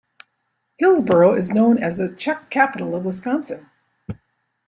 Hillsboro is known as the Czech Capital of Wisconsin.